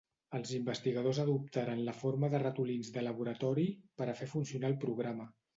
Els investigadors adoptaren la forma de ratolins de laboratori per a fer funcionar el programa.